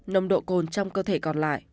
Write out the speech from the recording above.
nồng độ cồn trong cơ thể còn lại